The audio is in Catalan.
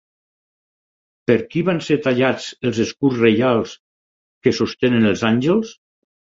Per qui van ser tallats els escuts reials que sostenen els àngels?